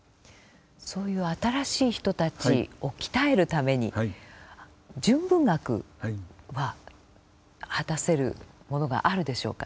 そういう「新しい人」たちを鍛えるために純文学は果たせるものがあるでしょうか？